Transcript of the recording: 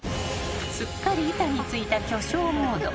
［すっかり板についた巨匠モード］